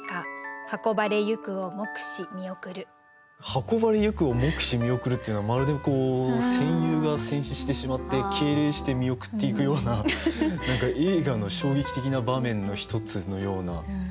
「運ばれ行くを黙し見送る」っていうのはまるで戦友が戦死してしまって敬礼して見送っていくような何か映画の衝撃的な場面の一つのような。